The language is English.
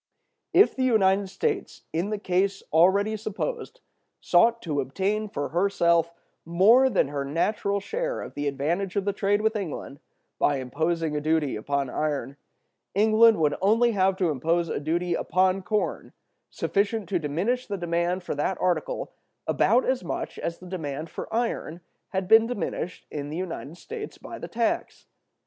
"If the United States, in the case already supposed, sought to obtain for herself more than her natural share of the advantage of the trade with England, by imposing a duty upon iron, England would only have to impose a duty upon corn sufficient to diminish the demand for that article about as much as the demand for iron had been diminished in the United States by the tax.